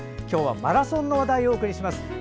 今日はマラソンの話題をお送りします。